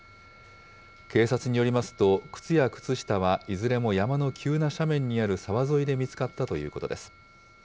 警察によりますと、靴や靴下はいずれも山の急な斜面にある沢沿いで見つかったということです。